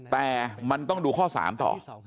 แต่มันต้องดูข้อ๓ต่อ